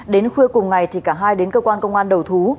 đến khuya cùng ngày thì cả hai đến cơ quan công an đầu thú